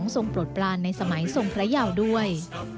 ทรงโปรดปลานในสมัยทรงพระยาวด้วย